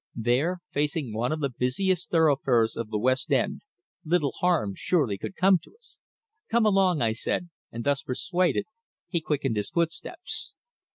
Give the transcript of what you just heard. There, facing one of the busiest thoroughfares of the West End, little harm surely could come to us. "Come along," I said, and thus persuaded, he quickened his footsteps.